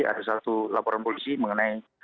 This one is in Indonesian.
ada satu laporan polisi mengenai